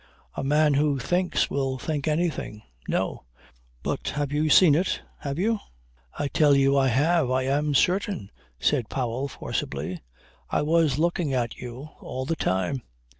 A man who thinks will think anything. No! But have you seen it. Have you?" "I tell you I have! I am certain!" said Powell forcibly. "I was looking at you all the time.